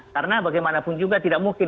karena bagaimanapun juga tidak mungkin